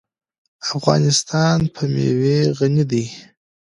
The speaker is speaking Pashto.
افغانستان په مېوې غني دی.